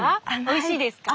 おいしいですか？